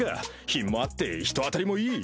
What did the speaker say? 品もあって人当たりもいい。